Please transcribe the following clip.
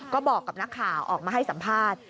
ก็บอกกับนักข่าวออกมาให้สัมภาษณ์